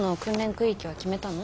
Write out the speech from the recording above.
空域は決めたの？